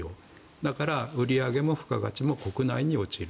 だから、売り上げも付加価値も国内に落ちる。